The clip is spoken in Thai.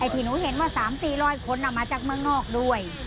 ที่หนูเห็นว่า๓๔๐๐คนมาจากเมืองนอกด้วย